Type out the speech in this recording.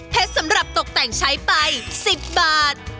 สำหรับตกแต่งใช้ไป๑๐บาท